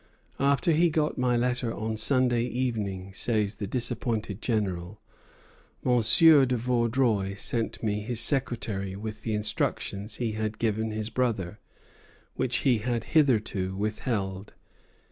"After he got my letter on Sunday evening," says the disappointed General, "Monsieur de Vaudreuil sent me his secretary with the instructions he had given his brother," which he had hitherto withheld.